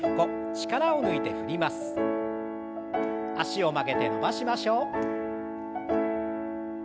脚を曲げて伸ばしましょう。